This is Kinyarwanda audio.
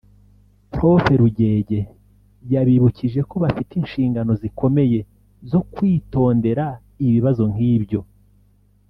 Prof Rugege yabibukije ko bafite inshingano zikomeye zo kwitondera ibibazo nk’ibyo